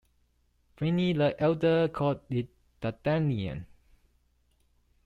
Pliny the Elder called it Dardanium.